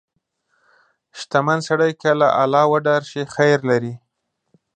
• شتمن سړی که له الله وډار شي، خیر لري.